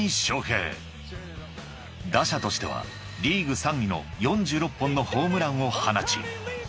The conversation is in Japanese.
［打者としてはリーグ３位の４６本のホームランを放ち］